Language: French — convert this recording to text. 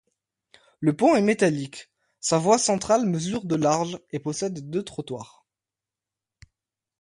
Le pont est métallique, sa voie centrale mesure de large et possède deux trottoirs.